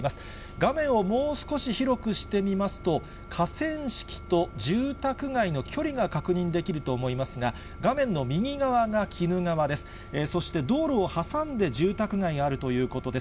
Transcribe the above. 画面をもう少し広くしてみますと、河川敷と住宅街の距離が確認できると思いますが、画面の右側が鬼怒川です。